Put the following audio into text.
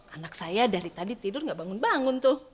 anak saya dari tadi tidur gak bangun bangun tuh